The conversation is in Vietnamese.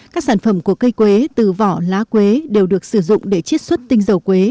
các sản phẩm của cây quế từ vỏ lá quế đều được sử dụng để chiết xuất tinh dầu quế